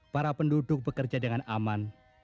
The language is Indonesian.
para penduduk bekerja dengan aman